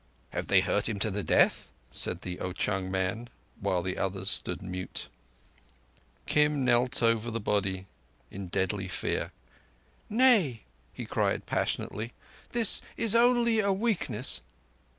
"Have they hurt him to the death?" said the Ao chung man, while the others stood mute. Kim knelt over the body in deadly fear. "Nay," he cried passionately, "this is only a weakness."